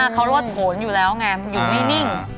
เขาลดผลอยู่แล้วไงอยู่ไม่นิ่ง